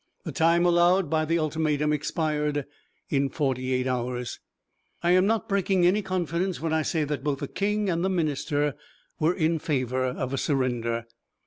The time allowed by the ultimatum expired in forty eight hours. I am not breaking any confidence when I say that both the King and the Minister were in favour of a surrender.